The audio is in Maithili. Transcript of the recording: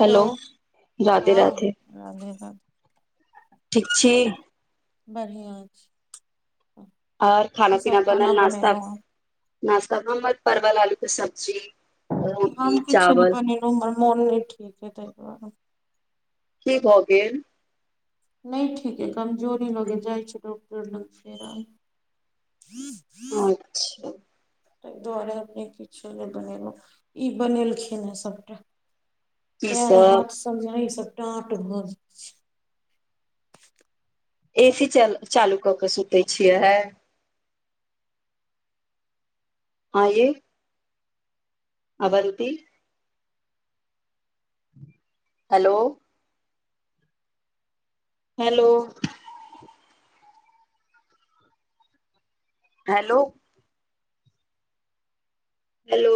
हेलो राधे- राधे राधे-राधे ठीक छी बढ़िआँ छी आऔर खाना पीना बनल नाश्ता नाश्ता हमर परवल आलू के सब्जी हम रोटी किच्छो नय चावल बनेलौं ह हमर मोन नही ठीक ये तै दुआरे की भऽ गेल नै ठीक अय कमजोरी लगे जाइ छै डॉक्टर लग फेर आय अच्छा ताहि दुआरे अपने किच्छो नय बनेलहुँ ई बनेलखिन ह सभटा पैर हाथ सब जे एैख सब टााँट भ जाय छै ए सी च चालू कऽ के सुतै छियै अयै अबंती हेलो हेलो हेलो हेलो